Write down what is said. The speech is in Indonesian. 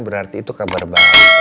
berarti itu kabar baik